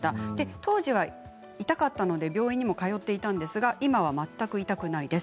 当時は痛かったので病院にも通っていたんですが今は全く痛くないです。